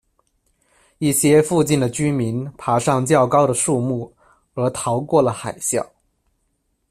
一些附近的居民爬上较高的树木而逃过了海啸。